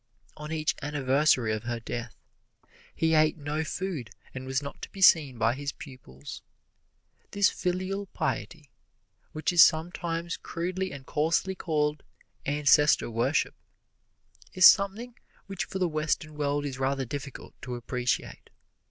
On each anniversary of her death he ate no food and was not to be seen by his pupils. This filial piety, which is sometimes crudely and coarsely called "ancestor worship," is something which for the Western world is rather difficult to appreciate.